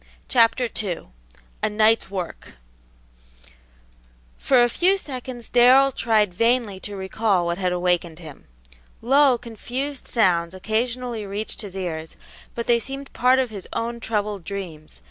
Chapter II A NIGHT'S WORK For a few seconds Darrell tried vainly to recall what had awakened him. Low, confused sounds occasionally reached his ears, but they seemed part of his own troubled dreams.